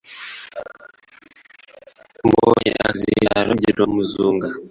mbonye akazindaro ngira muzunga